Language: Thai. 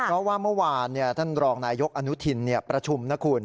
เพราะว่าเมื่อวานท่านรองนายยกอนุทินประชุมนะคุณ